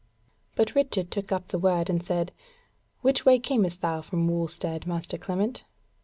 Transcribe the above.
But Richard took up the word and said: "Which way camest thou from Wulstead, master Clement?"